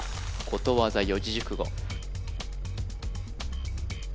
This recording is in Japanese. ことわざ・四字熟語